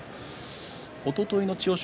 おとといの千代翔